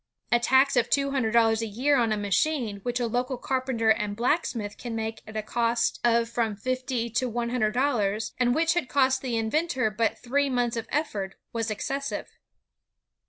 A tax of two hun dred dollars a year on a machine which a local carpenter and blacksmith can make at a cost of from fifty to one hundred dollars, and which had cost the inventor but' three months of effort, was excessive.